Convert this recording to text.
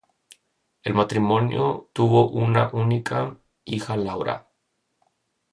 El matrimonio tuvo una única hija Laura.